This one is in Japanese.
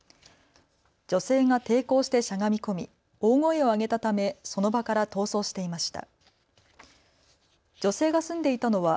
女性が抵抗してしゃがみ込み大声を上げたためその場から逃走していました。